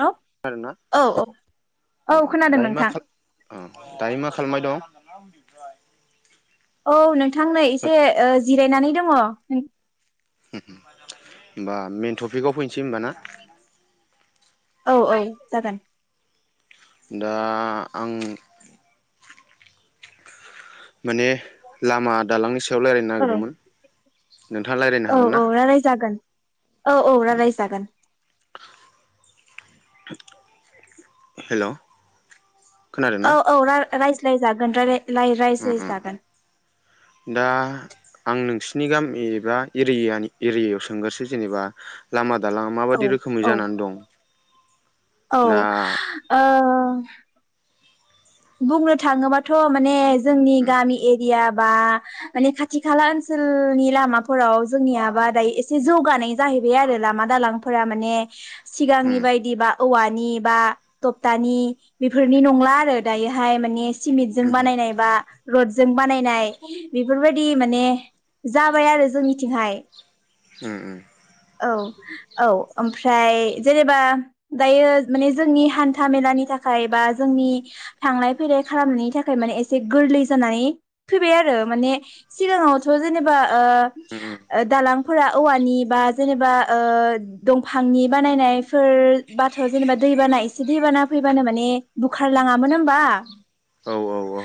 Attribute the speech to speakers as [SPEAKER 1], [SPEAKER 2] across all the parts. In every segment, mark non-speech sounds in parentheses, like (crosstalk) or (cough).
[SPEAKER 1] औ
[SPEAKER 2] खोनादोंना
[SPEAKER 1] औ औ
[SPEAKER 2] ओ- ओ-
[SPEAKER 1] खोनादों
[SPEAKER 2] दायो मा
[SPEAKER 1] नोंथां
[SPEAKER 2] खाल-ओ दायो मा खालामबाय दं? (unintelligible)
[SPEAKER 1] औ नों थां नै एसे ओ-जिरायनानै । दङ नों
[SPEAKER 2] सम होमबा मेन टपिकआव फैनोसै होमब ना?
[SPEAKER 1] औ औ जागोन।
[SPEAKER 2] दा आं माने लामा दालांनि । सायाव लायरायनो नागिरदोंमोन। नोंथाङा रायलायनो
[SPEAKER 1] औ
[SPEAKER 2] हागोन ना
[SPEAKER 1] औ लायराय जागोन। औ औ रायरायजागोन।
[SPEAKER 2] हेल'। खोनादों ना
[SPEAKER 1] औ औ रार राइस ज्लाय जागोन रायलाय लाइ
[SPEAKER 2] उम
[SPEAKER 1] राज्लाय
[SPEAKER 2] उम
[SPEAKER 1] जागोन।
[SPEAKER 2] दा आं नोंसिनि गामि एबा एरियानि एरियायाव सोंगोरसै जेनेबा लामा दालाङा
[SPEAKER 1] औ
[SPEAKER 2] माबायदि रोखोमै
[SPEAKER 1] औ
[SPEAKER 2] जानानै दं ना
[SPEAKER 1] औ। बुंनो थाङोबाथ' माने । जोंनि गामि एरिया । बा माने खाथि खाला ओनसोलनि लामाफोराव जोंनियाबा दायो एसे जौगानाय जाहैबाय आरो लामा दालांफोरा माने। सिगांनि
[SPEAKER 2] उम
[SPEAKER 1] बायदिबा। औवानि बा टपटानि बेफोरनि नंला आरो दायोहाय माने सिमिटजों
[SPEAKER 2] उम
[SPEAKER 1] बानायनाय बा रडजों बानायनाय बेफोरबायदि माने जाबाय आरो जोंनिथिंहाय
[SPEAKER 2] उम उम
[SPEAKER 1] औ औ ओमफ्राय जेनेबा दायो माने जोंनि हान्था मेलानि थाखाय बा जोंनि थांलाय फैलाय खालामनायनि थाखाय माने एसे गोरलै जानानै फैबाय आरो माने सिगाङावथ' जेनेबा ओ
[SPEAKER 2] उम उम
[SPEAKER 1] ओ दालां फोरा औवानि बा जेनेबा ओ दंफांनि बानायनायफोर बाथ' जेनेबा दैबाना एसे दैबाना फैबानो माने बुखारलाङा मोन होमबा
[SPEAKER 2] औ औ औ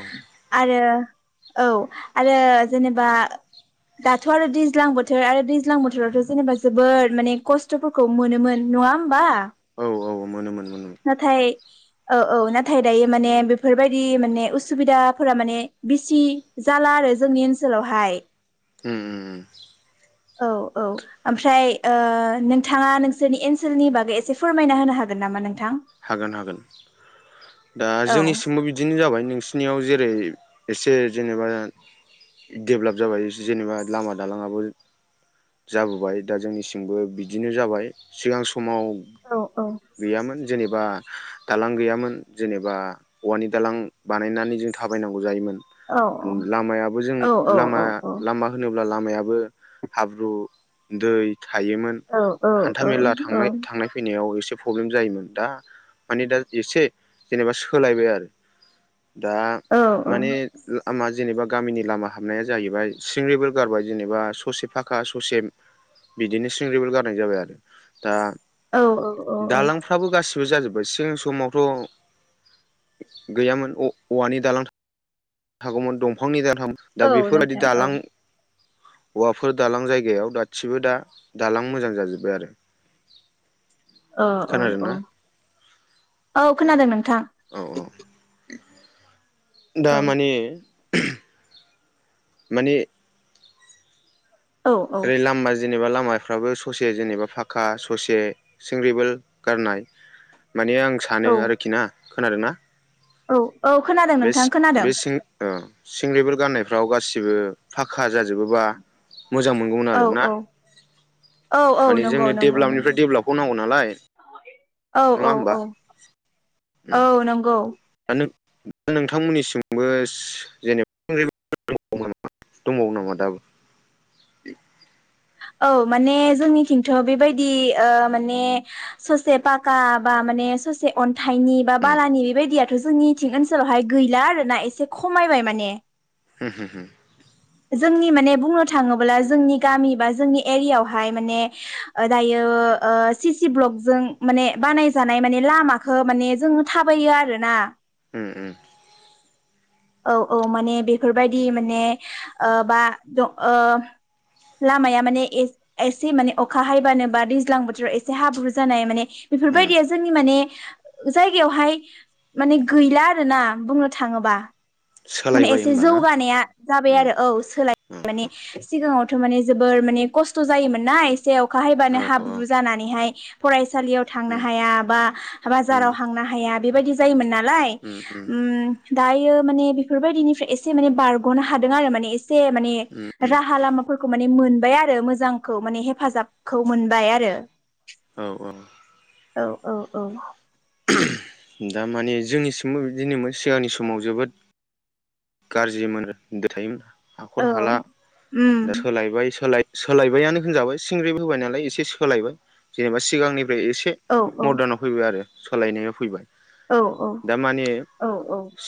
[SPEAKER 1] आरो औ आरो जेनेबा दाथ आरो दैज्लां बोथोर आरो दैज्लां बोथोरावथ जेनेबा जोबोद माने खस्थफोरखौ मोनोमोन नङा होमबा
[SPEAKER 2] औ औ मोनोमोन मोनोमोन
[SPEAKER 1] नाथाय औ औ नाथा नाथाय दायो माने बेफोरबायदि माने उसुबिदाफोरा माने बिसि जाला आरो जोंनि ओनसोलावहाय
[SPEAKER 2] उम उम
[SPEAKER 1] औ औ ओमफ्राय ओ नोंथाङा नोंसोरनि ओनसोलनि बागै एसे फोरमायना होनो हागोन नामा नोंथां
[SPEAKER 2] हागोन हागोन दा
[SPEAKER 1] औ
[SPEAKER 2] जोंनिसिमबो बिदिनो जाबाय नोंसिनियाव जेरै एसे जेनेबा डेभलाप जाबाय जेनेबा लामा दालाङाबो जाबोबाय दा जोंनिसिंबो बिदिनो जाबाय सिगां समाव
[SPEAKER 1] औ औ
[SPEAKER 2] गैयामोन जेनेबा दालां गैयामोन जेनेबा औवानि दालां बानायनानै जों थाबायनांगौ जायोमोन
[SPEAKER 1] औ
[SPEAKER 2] लामायाबो जों
[SPEAKER 1] औ औ
[SPEAKER 2] लामा
[SPEAKER 1] औ
[SPEAKER 2] लामा होनोब अब्ला लामायाबो हाब्रु दै थायोमोन
[SPEAKER 1] औ
[SPEAKER 2] हान्थामेला
[SPEAKER 1] औ
[SPEAKER 2] थांनाय थांनाय फैनायाव एसे पब्लेम जायोमोन दा माने दा एसे जेनेबा सोलायबाय आरो दा माने ओ आमा जेनेबा गामिनि लामा हाबनाया जाहैबाय सिंरिबोल गारबाय जेनेबा ससे फाखा ससे बिदिनो सिंरिबोल गारनाय जाबाय आरो दा
[SPEAKER 1] औ औ औ औ
[SPEAKER 2] दालांफ्राबो गासिबो जाजोबबाय सिं समावथ गैयामोन औवानि दालां हागौमोन दंफांनि दाल थाम दा
[SPEAKER 1] औ
[SPEAKER 2] बेफोरबायदि
[SPEAKER 1] नोंथां औ
[SPEAKER 2] दालां हौवाफोर दालां जायगायाव गासिबो दा दालां मोजां जाजोब्बाय आरो
[SPEAKER 1] ओ औ
[SPEAKER 2] खोनादोंना
[SPEAKER 1] औ औ खोनादों नोंथां
[SPEAKER 2] औ औ दा
[SPEAKER 1] औ
[SPEAKER 2] माने (unintelligible) माने
[SPEAKER 1] औ
[SPEAKER 2] ओरै
[SPEAKER 1] औ
[SPEAKER 2] लामा जि जेनेबा लामाफ्राबो ससे जेनेबा फाखा ससे सिंरिबोल गारनाय माने आं सानो
[SPEAKER 1] औ
[SPEAKER 2] आरोखि ना खोनादों ना?
[SPEAKER 1] औ औ खोनादों नोंथां खोनादों।
[SPEAKER 2] सिं ओ सिंरिबोल गारनायफ्राव गासिबो फाक्का जाजोबोबा मोजां मोनगौमोन
[SPEAKER 1] औ
[SPEAKER 2] आरो ना?
[SPEAKER 1] औ औ औ
[SPEAKER 2] माने
[SPEAKER 1] नंगौ
[SPEAKER 2] जोंनो
[SPEAKER 1] नंगौ
[SPEAKER 2] डेभेलपनिफ्राय
[SPEAKER 1] नंगौ
[SPEAKER 2] डेभेलपखौ नांगौ नालाय
[SPEAKER 1] औ
[SPEAKER 2] नङा
[SPEAKER 1] औ
[SPEAKER 2] होमबा
[SPEAKER 1] औ औ नंगौ।
[SPEAKER 2] नों-नोंथांमोननिसिमबो (unintelligible) दंबावो नामा दाबो?
[SPEAKER 1] औ माने जोंनिथिंथ' बेबायदि ओ माने ससे पाका बा माने ससे अन थाइनि बा
[SPEAKER 2] उम
[SPEAKER 1] बालानि बेबायदि आ जोंनिथिं ओनसोलावहाय गैला आरोना एसे खमायबाय माने।
[SPEAKER 2] होम होम।
[SPEAKER 1] जोंनि माने बुंनो थाङोब्ला जोंनि गामि बा जोंनि एरियावहाय माने दायो ओ सिसि ब्लकजों माने बानायजानाय मान लामाखौ माने जोंङो थाबायो आरो ना।
[SPEAKER 2] उम उम।
[SPEAKER 1] औ औ माने बेफोरबायदि माने ओ बा द ओ लामाया माने ए-एसे माने अखा हाबानो बा दैज्लां बोथोराव एसे हाब्रु जानाय माने
[SPEAKER 2] उम
[SPEAKER 1] बेफोरबायदिया जोंनि माने जायगायावहाय माने गैला आरोना बुंनो थाङोबा। माने
[SPEAKER 2] सोलायबाय
[SPEAKER 1] एसे
[SPEAKER 2] होमबा ना
[SPEAKER 1] जौगानाया जाबाय
[SPEAKER 2] उम
[SPEAKER 1] आरो औ सोलाय
[SPEAKER 2] उम
[SPEAKER 1] (inaudible) माने सिगाङाव ङावथ' माने जोबोर माने खस्थ' जायोमोन ना एसे जे अखा
[SPEAKER 2] औ
[SPEAKER 1] हायोबानो
[SPEAKER 2] औ
[SPEAKER 1] हाब्रु जानानैहाय फराय सालियाव थांनो
[SPEAKER 2] उम उम
[SPEAKER 1] हाया बा
[SPEAKER 2] उम
[SPEAKER 1] बाजाराव हांनो हाया बेबायदि जायोमोन ना लाय उम दायो माने बे बेफोरबायदिनिफ्राय एसे माने बारग'नो हादों आरो माने एसे से माने
[SPEAKER 2] उम औ
[SPEAKER 1] राहा लामाफोर खौ माने मोनबाय आरो मोजांखौ माने हेफाजाबखौ मोनबाय आरो।
[SPEAKER 2] औ औ।
[SPEAKER 1] औ औ औ।
[SPEAKER 2] दा माने जोंनिसिमबो बिदिनो सिगांनि समाव जोबोद गाज्रि मोनदो थायोमोन हाखर
[SPEAKER 1] औ
[SPEAKER 2] हाला
[SPEAKER 1] उम
[SPEAKER 2] दा सोलायबाय सोलाय सोलायबायानो होनजाबाय सिंग्रिबोबाय नालाय एसे सोलायबाय जेनेबा सिगांनि। ओमफ्राय एसे
[SPEAKER 1] औ
[SPEAKER 2] मर्दानाव फैबाय आरो। सोलायनाया फैबाय।
[SPEAKER 1] औ
[SPEAKER 2] दामाने
[SPEAKER 1] औ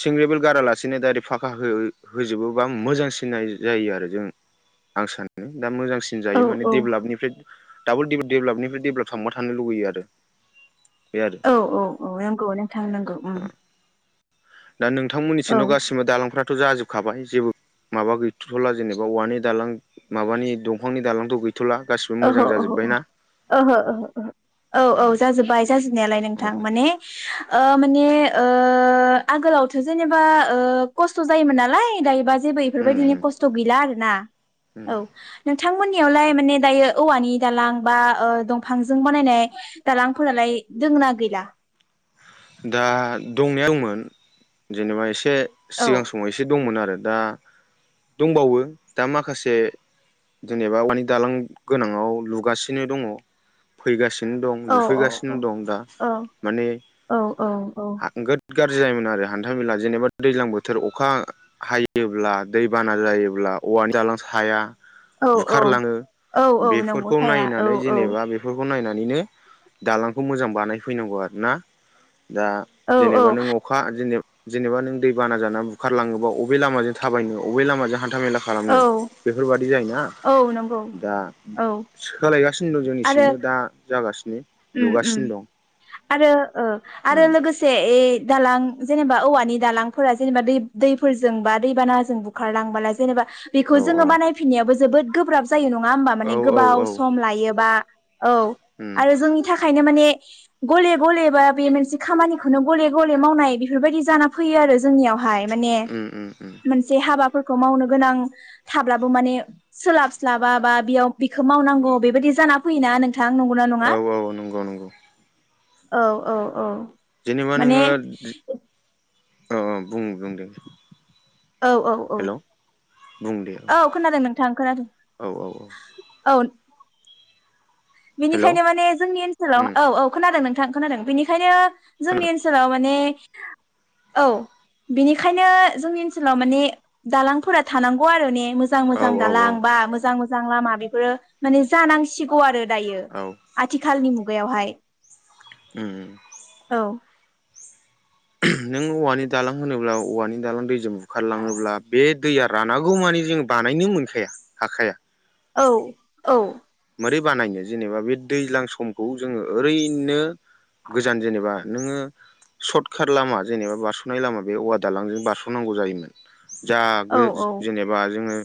[SPEAKER 2] सिंग्रि गारालासिनो दाइरेक्ट। फाखा हो-हो-होजोबोबा मोजांसिनाय जायो आरो जों आं सानो दा मोजां जांसिन
[SPEAKER 1] औ
[SPEAKER 2] जायो माने
[SPEAKER 1] औ
[SPEAKER 2] डेभेलापनिफ्राय डाबल डेभेलाप-डेभेलापनिफ्राय डेभेलाप थांबा थानो लुुबैयो आरो। बे आरो
[SPEAKER 1] औ औ औ नंगौ नोंथां नंगौ ओम।
[SPEAKER 2] दा नोंथांमोननिसिमथ' गासै फ्राथ' जाजोबखाबाय जेबो माबा गैथ'थ'ला जेनेबा औवानि दालां माबानि दंफांनि दालांथ' गै
[SPEAKER 1] ओहो ओहो ओहो ओहो औ
[SPEAKER 2] अ
[SPEAKER 1] औ जाजोब्बाय जाजोबनायालाय नोंथां
[SPEAKER 2] अ
[SPEAKER 1] माने ओ- मा ने ओ- आगोलावथ' जेनेबा ओ- खस्थ' जायोमोन नालाय दायो बा जेबो
[SPEAKER 2] उम
[SPEAKER 1] बेफोरबायदिनो
[SPEAKER 2] उम
[SPEAKER 1] खस्थ' गैला आरोना औ। थांनियावलाय माने दायो औवानि दालां बा ओ- दंफांजों बानायनाय दालांफोरालाय दोंना गैला?
[SPEAKER 2] दा दंनाया अंमोन जेनेबा एसे। से
[SPEAKER 1] औ
[SPEAKER 2] सिगां समाव एसे दंमोन आरो। दा दंबावो दा माखासे जेनेबा औवानि दालां गोनाङाव लुगासिनो दङ फैगासि नो दं
[SPEAKER 1] औ औ औ
[SPEAKER 2] लुफैगासिनो दं दा
[SPEAKER 1] औ
[SPEAKER 2] माने ।
[SPEAKER 1] औ औ
[SPEAKER 2] आ गोद बिराद गाज्रि जायोमोन आरो हान्था मेला जेनेबा दैज्लां बोथोर अखा हायोब्ला दै बाना जायोब्ला औवानि जालां साया
[SPEAKER 1] औ
[SPEAKER 2] बुखारलाङो
[SPEAKER 1] औ औ नंगौ
[SPEAKER 2] बेफोरखौ
[SPEAKER 1] थाया औ
[SPEAKER 2] नायनानै
[SPEAKER 1] औ
[SPEAKER 2] जेनेबा बेफोरखौ नायनानै । बेनो दालांखौ मोजां बानायफैनांगौ आरोना। दा
[SPEAKER 1] औ औ
[SPEAKER 2] जेनेबा नों अखा जेनेब जेनेबा नों दै बाना जानानै बुखारलाङोबा अबे लामाजों थाबायनो अबे लामाजों हान हान्था मेला खालामनो
[SPEAKER 1] औ
[SPEAKER 2] बेफोरबायदि जायोना
[SPEAKER 1] औ नंगौ
[SPEAKER 2] दा
[SPEAKER 1] औ
[SPEAKER 2] सोलायगासिन खुनु जोंनिसिमबो दा जागासि
[SPEAKER 1] ओम ओम आरो ओ - आरो
[SPEAKER 2] उम
[SPEAKER 1] लोगोसे । ए दालां जेनेबा औवानि दालांफोरा जेनेबा दै दैफोरजों बा दैबानाजों बुखारलांबोला जेनेबा
[SPEAKER 2] औ
[SPEAKER 1] बेखौ
[SPEAKER 2] औ
[SPEAKER 1] जोङो बानायफिननायावबो जोबोद गोब्राब । जायो नङा होमबा
[SPEAKER 2] औ
[SPEAKER 1] माने
[SPEAKER 2] औ औ
[SPEAKER 1] गोबाव सम लायोबा। औ
[SPEAKER 2] उम
[SPEAKER 1] आरो खायनो माने गले गले बा बे मोनसे खामानिखौनो गले गले मावनाय बेफोरबायदि जाना फैयो आरो जोंनियाव हाय माने
[SPEAKER 2] उम उम उम
[SPEAKER 1] मोनसे हाबा फोरखौ मावनो गोनां थाब्लाबो माने सोलाबस्लाबा बा बेयाव बेखौ मावनांगौ बेबायदि जाना फैयोना नों थां नंगौना नङा?
[SPEAKER 2] गौ नंगौ।
[SPEAKER 1] औ औ औ।
[SPEAKER 2] जेनेबा
[SPEAKER 1] माने
[SPEAKER 2] नोङो दि अ अ बुं बुंदे।
[SPEAKER 1] औ औ औ।
[SPEAKER 2] बुं दे
[SPEAKER 1] औ खोनादों नोंथां खोनादों
[SPEAKER 2] औ औ औ
[SPEAKER 1] औ।
[SPEAKER 2] हेलौ
[SPEAKER 1] बेनिखायनो माने जोंनि ओनसोलाव
[SPEAKER 2] उम
[SPEAKER 1] औ औ खोनादों नों थां खोनादों बेनिखायनो जोंनि
[SPEAKER 2] खोनादों
[SPEAKER 1] ओनसोलाव माने औ बिनिखायनो जोंनि ओनसोलाव माने दालांफोरा थानांगौ आरो ने। मोजां
[SPEAKER 2] औ
[SPEAKER 1] मोजां
[SPEAKER 2] औ औ
[SPEAKER 1] दालां बा मोजां मो जां लामा बेफोरो माने जानांसिगौ आरो। दायो
[SPEAKER 2] औ
[SPEAKER 1] आथिखालनि मु गायावहाय।
[SPEAKER 2] ओम।
[SPEAKER 1] औ।
[SPEAKER 2] नों औवानि दालां होनोब्ला औवानि दालां दैजों बुखारलाङोब्ला बे दैया रानांगौमानि जों बानायनो मोनखाया हाखाया।
[SPEAKER 1] औ औ।
[SPEAKER 2] मोरै बानायनो जेनेबा बे दैज्लां समखौ जोङो ओरैनो गोजान जेनेबा नोङो सर्ट काट लामा जेनेबा बारस'नाय लामा बे औवा दालांजों बारस'नांगौ जायोमोन। जा
[SPEAKER 1] औ
[SPEAKER 2] गो जेनेबा जोङो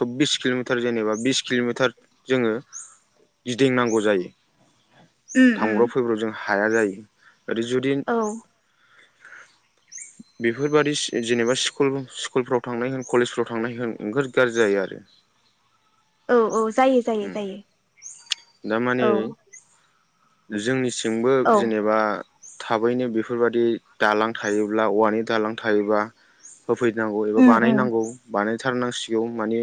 [SPEAKER 2] सब्बिस किल'मिटार जेनेबा बिस किल'मिटार जोङो गिदिंनांगौ जायो।
[SPEAKER 1] उम उम
[SPEAKER 2] थांब्रब फैब्रब जों हा हाया जायो। ओरै जुदि
[SPEAKER 1] औ
[SPEAKER 2] बेफोरबादि जेनेबा स्कुल स्कुलफ्राव थांनाय होन कलेजफ्राव थांनाय होन ओंगोर गाज्रि जायो आरो।
[SPEAKER 1] औ औ। जायो जायो जायो औ।
[SPEAKER 2] जोंनि सि जोंबो
[SPEAKER 1] औ
[SPEAKER 2] जेनेबा थाबैनो बेफोरबादि दालां थायोब्ला औवानि दालां थायोबा होफैनांगौ एबा
[SPEAKER 1] उम उम
[SPEAKER 2] बानायनांगौ बानाय थारनांसिगौ माने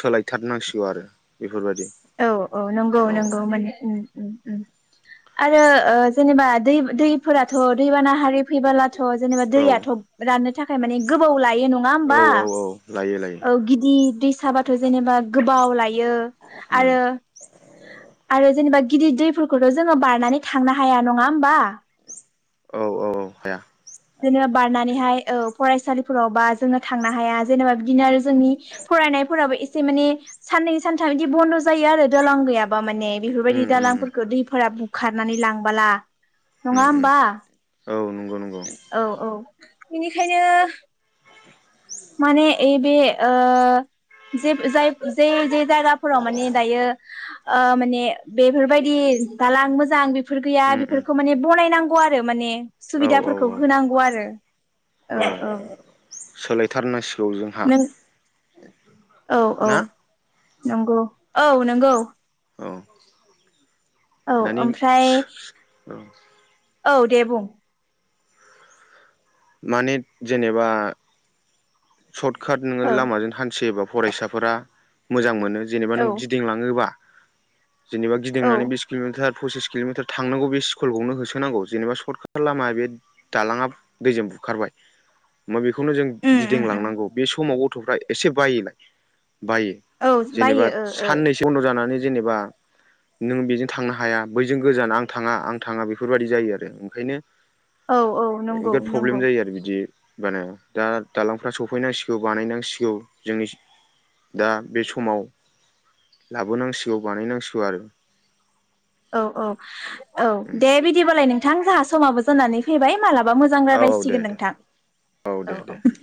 [SPEAKER 2] सोलायथारनांसिगौ आरो बेफोरबायदि
[SPEAKER 1] औ औ नंगौ
[SPEAKER 2] औ
[SPEAKER 1] नंगौ माने उम उम उम आरो ओ जेनेबा दैब- दैफोराथ' दैबानाहारि फैबोला थ जेनेबा
[SPEAKER 2] औ
[SPEAKER 1] दैयाथ' राननो था खाय माने गोबौ लाय बे नङा
[SPEAKER 2] औ
[SPEAKER 1] होमबा
[SPEAKER 2] औ औ लायो लायो
[SPEAKER 1] ओ गिदिर दैसा बाथ जेनेबा गोब बाव लायो
[SPEAKER 2] उम
[SPEAKER 1] आरो आरो जेनेबा गिदिर दैफोरखौथ' जोङो बारनानै थांनो हाया नङा होमबा
[SPEAKER 2] औ औ औ हाया
[SPEAKER 1] बिदिनो बारनानैहाय औ फरायसालिफोरावबा जोङो थांनो हाया जेनेबा बिदिनो आरो जोंनि फरायनायफोराबो एसे माने साननै सानथाम बिदि बन्द जायो आरो दलां गैयाब बा माने
[SPEAKER 2] उम
[SPEAKER 1] बेफोरबायदि
[SPEAKER 2] उम
[SPEAKER 1] दालांफोरखौ दैफोरा बुखारनानै लांबोला
[SPEAKER 2] उम
[SPEAKER 1] नङा
[SPEAKER 2] उम
[SPEAKER 1] होमबा
[SPEAKER 2] औ नोंगौ नोंगौ
[SPEAKER 1] औ औ बिनिखायनो माने ओइबे ओ जेब जाइफ जे जे जायगाफोराव माने दायो ओ माने बेफोरबायदि दालां मोजां बेफोर गैया
[SPEAKER 2] उम उम
[SPEAKER 1] बेफोरखौ माने बनायनां आरो माने (inaudible)
[SPEAKER 2] औ औ
[SPEAKER 1] सुबिदाफोरखौ होनांगौ आरो
[SPEAKER 2] औ सोलायथार नांसिगौ जोंहा
[SPEAKER 1] नों औ औ
[SPEAKER 2] ना
[SPEAKER 1] नंगौ औ नोंगौ
[SPEAKER 2] अ
[SPEAKER 1] औ
[SPEAKER 2] दानि
[SPEAKER 1] ओमफ्राय
[SPEAKER 2] सो सो औ
[SPEAKER 1] औ दे बुं
[SPEAKER 2] माने जेनेबा सर्ट कात नोङो
[SPEAKER 1] ओ
[SPEAKER 2] लामाजों हानथियोबा फरायसाफोरा मोजां मोनो जेनेबा
[SPEAKER 1] औ
[SPEAKER 2] नों गिदिंलाङोबा जेनेबा
[SPEAKER 1] औ
[SPEAKER 2] गिदिंनानै बिस किल'मिटार पसिस किल'मिटार थांनांगौ बे स्कुलखौनो होसोनांगौ जेनेबा सर्टकाट लामाया बे दालाङा दैजों बुखारबाय ओमबाय बे खौनो जों
[SPEAKER 1] उम
[SPEAKER 2] गि
[SPEAKER 1] उम उम
[SPEAKER 2] दिंलांनांगौ बे समाव गथ'फ्रा एसे बायो। बायो
[SPEAKER 1] औ
[SPEAKER 2] जेनेबा
[SPEAKER 1] बायो ओ ओ
[SPEAKER 2] साननैसो बन्द' जानानै जेनेबा, नों बेजों थांनो हाया बैजों गोजान आं थाङा आं थाङा बेफोरबायदि जायो आरो ओंखायनो
[SPEAKER 1] औ औ नंगौ नंगौ
[SPEAKER 2] माने दा दालांफ्रा सफैनांसिगौ बानायनांसिगौ जोंनि, दा बे समाव लाबोनांसिगौ बानायनांसिगौ आरो।
[SPEAKER 1] औ औ औ
[SPEAKER 2] उम
[SPEAKER 1] दे बिदिबालाय नों थां जोंहा समाबो जानानै फैबाय माला बा मोजां
[SPEAKER 2] औ औ दे
[SPEAKER 1] रायलायसिगोन
[SPEAKER 2] दे
[SPEAKER 1] नोंथां (inaudible) औ
[SPEAKER 2] दे दे
[SPEAKER 1] औ।